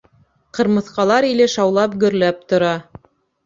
Ҡырмыҫҡалар иле шаулап, гөрләп тора.